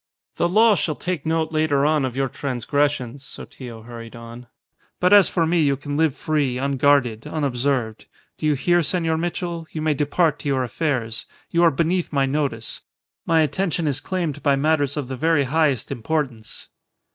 "The law shall take note later on of your transgressions," Sotillo hurried on. "But as for me, you can live free, unguarded, unobserved. Do you hear, Senor Mitchell? You may depart to your affairs. You are beneath my notice. My attention is claimed by matters of the very highest importance."